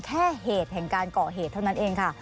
แค่เหตุแห่งการก่อเหตุเท่านั้นเองค่ะ